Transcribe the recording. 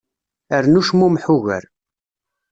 Rnu cmummeḥ ugar.